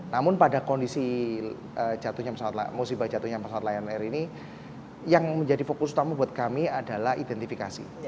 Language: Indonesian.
namun pada kondisi jatuhnya musibah jatuhnya pesawat lion air ini yang menjadi fokus utama buat kami adalah identifikasi